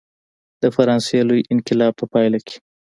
د فرانسې لوی انقلاب په پایله کې.